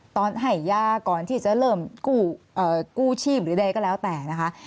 ตอนให้ยาก่อนที่จะเริ่มกู้ชีพหรือใดก็แล้วแต่นะคะ